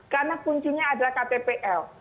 karena kuncinya adalah ktpl